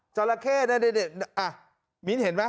จราเข้นั่นเนี่ยมีนเห็นไหม